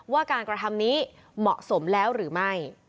ว่าการกระทำนี้เหมาะสมแล้วหรือไม่